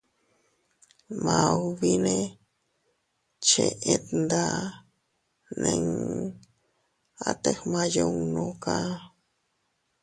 Maubi nee cheʼe tndaa nni atte gmaayunnu kaa.